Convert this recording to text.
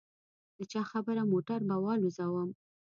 د چا خبره موټر به والوزووم.